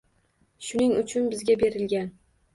Shuning uchun bizga berilgan